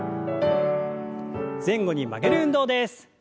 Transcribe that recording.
前後に曲げる運動です。